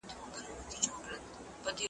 په هفتو کي یې آرام نه وو لیدلی .